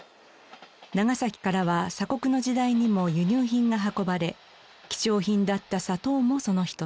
長崎からは鎖国の時代にも輸入品が運ばれ貴重品だった砂糖もその一つ。